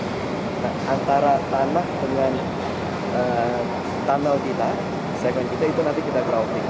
nah antara tanah dengan tunnel kita segmen kita itu nanti kita crowdfting